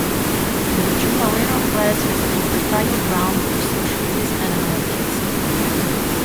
The "jornalero" class has been fertile ground for socialism and anarchism.